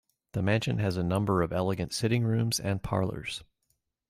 The mansion has a number of elegant sitting rooms and parlours.